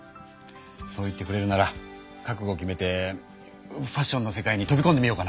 そう言ってくれるなら覚ごを決めてファッションの世界に飛びこんでみようかな。